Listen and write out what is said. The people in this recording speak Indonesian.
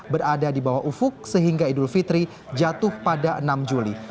berada di bawah ufuk sehingga idul fitri jatuh pada enam juli